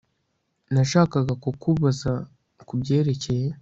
Nashakaga kukubaza kubyerekeye